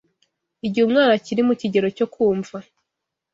Igihe umwana akiri mu kigero cyo kumva